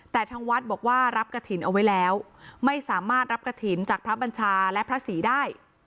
แต่ทางวัดบอกว่ารับกระถิ่นเอาไว้แล้วไม่สามารถรับกระถิ่นจากพระบัญชาและพระศรีได้